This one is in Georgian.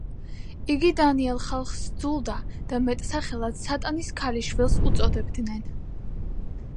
იგი დანიელ ხალხს სძულდა და მეტსახელად „სატანის ქალიშვილს“ უწოდებდნენ.